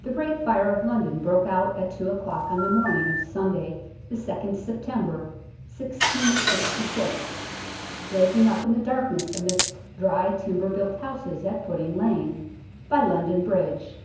The Great Fire of London broke out at two o'clock on the morning of Sunday, the 2nd September 1666, blazing up in the darkness amidst dry timber built houses at Pudding Lane, by London Bridge.